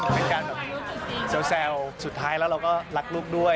เป็นการแบบแซวสุดท้ายแล้วเราก็รักลูกด้วย